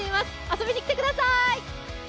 遊びに来てください！